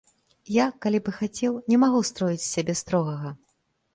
Я, калі б і хацеў, не магу строіць з сябе строгага.